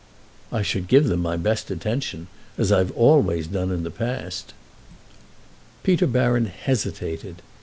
"I should give them my best attention—as I've always done in the past." Peter Baron hesitated.